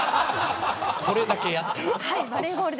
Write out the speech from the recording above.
これだけやって。